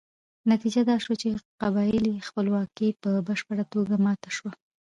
نتیجه دا شوه چې قبایلي خپلواکي په بشپړه توګه ماته شوه.